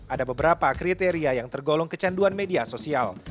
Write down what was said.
ada beberapa kriteria yang tergolong kecanduan media sosial